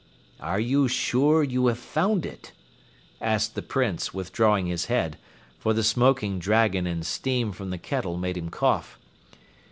"Are you sure you have found it?" asked the Prince, withdrawing his head, for the smoking dragon and steam from the kettle made him cough.